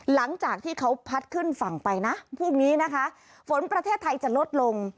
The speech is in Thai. หลังจากที่เขาพัดขึ้นฝั่งไปนะพรุ่งนี้นะคะฝนประเทศไทยจะลดลง